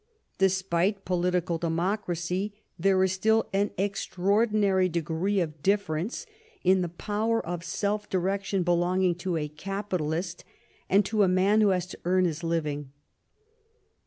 Despite political democracy, there is still an extraordinary degree of difference in the power of self direction belonging to a capitalist and to a man who has to earn his living.